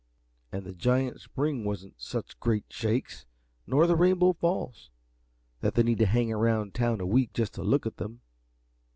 And the Giant Spring wasn't such great shakes, nor the Rainbow Falls, that they need to hang around town a week just to look at them.